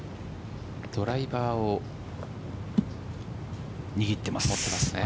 ドライバーを握ってます。